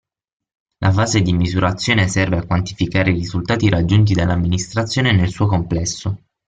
La fase di misurazione serve a quantificare i risultati raggiunti dall'amministrazione nel suo complesso.